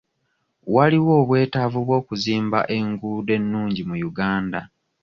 Waliwo obwetaavu bw'okuzimba enguudo ennungi mu Uganda.